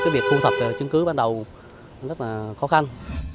việc thu thập chứng cứ ban đầu rất là khó khăn